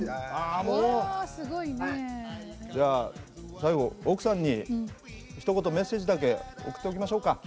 最後奥さんにひと言メッセージだけ送っておきましょうか。